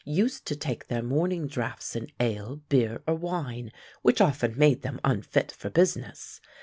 used to take their morning draughts in ale, beer, or wine, which often made them unfit for business.